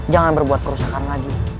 jangan berbuat kerusakan lagi